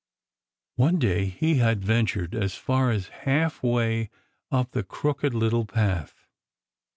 One day he had ventured as far as halfway up the Crooked Little Path.